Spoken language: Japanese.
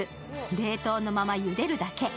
冷凍のままゆでるだけ。